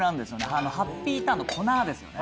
あのハッピーターンの粉ですよね